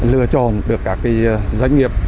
lựa chọn được các doanh nghiệp